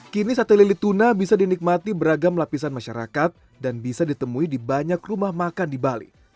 kini sate lili tuna bisa dinikmati beragam lapisan masyarakat dan bisa ditemui di banyak rumah makan di bali